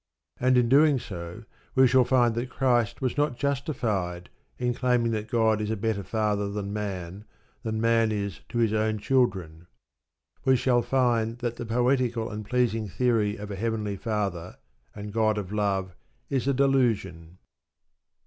And in doing so we shall find that Christ was not justified in claiming that God is a better father to Man than Man is to his own children. We shall find that the poetical and pleasing theory of a Heavenly Father, and God of Love is a delusion.